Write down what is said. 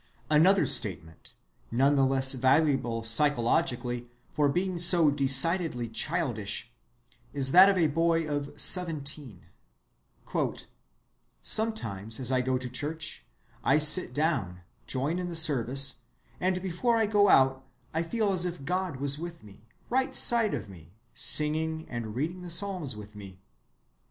Another statement (none the less valuable psychologically for being so decidedly childish) is that of a boy of seventeen:— "Sometimes as I go to church, I sit down, join in the service, and before I go out I feel as if God was with me, right side of me, singing and reading the Psalms with me....